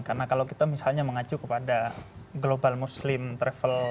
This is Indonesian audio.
karena kalau kita misalnya mengacu kepada global muslim travel industry